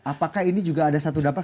apakah ini juga ada satu dampak